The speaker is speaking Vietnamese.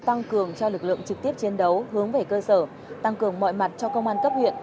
tăng cường cho lực lượng trực tiếp chiến đấu hướng về cơ sở tăng cường mọi mặt cho công an cấp huyện